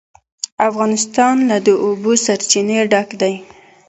افغانستان له د اوبو سرچینې ډک دی.